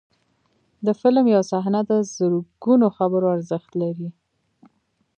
د فلم یو صحنه د زرګونو خبرو ارزښت لري.